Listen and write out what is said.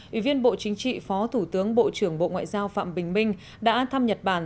ủy viên bộ chính trị phó thủ tướng bộ trưởng bộ ngoại giao phạm bình minh đã thăm nhật bản